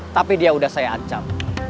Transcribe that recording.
tapi dia udah saya acap